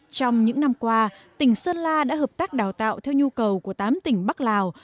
trong những năm qua tỉnh sơn la đã hợp tác đào tạo theo nhu cầu của tám tỉnh bắc lào